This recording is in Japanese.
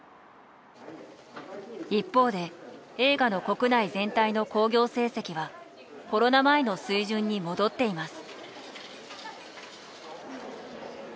一方で映画の国内全体の興行成績はコロナ前の水準に戻っています。